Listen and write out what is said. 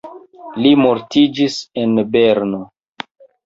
Li mortiĝis en Berno.